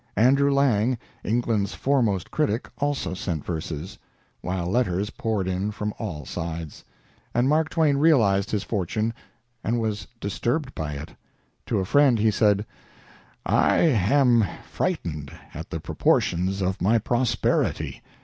Andrew Lang, England's foremost critic, also sent verses, while letters poured in from all sides. And Mark Twain realized his fortune and was disturbed by it. To a friend he said: "I am frightened at the proportions of my prosperity.